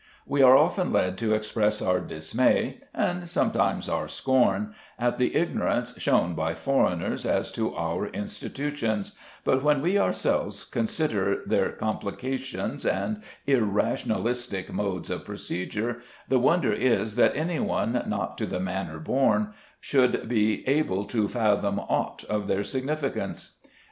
We are often led to express our dismay, and sometimes our scorn, at the ignorance shown by foreigners as to our institutions; but when we ourselves consider their complications and irrationalistic modes of procedure, the wonder is that any one not to the manner born should be able to fathom aught of their significance.